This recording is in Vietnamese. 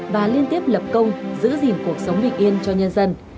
và liên tiếp lập công giữ gìn cuộc sống bình yên cho nhân dân